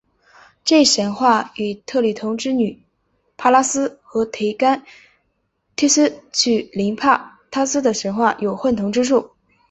这一神话与特里同之女帕拉斯和癸干忒斯巨灵帕拉斯的神话有混同之处。